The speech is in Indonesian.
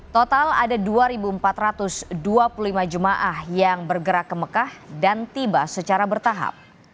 total ada dua empat ratus dua puluh lima jemaah yang bergerak ke mekah dan tiba secara bertahap